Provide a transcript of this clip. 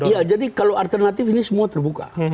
ya jadi kalau alternatif ini semua terbuka